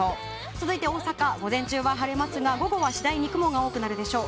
続いて大阪、午前中は晴れますが午後は次第に雲が多くなるでしょう。